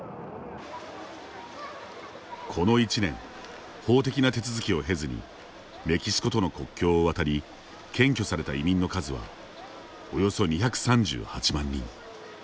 この１年、法的な手続きを経ずにメキシコとの国境を渡り検挙された移民の数はおよそ２３８万人。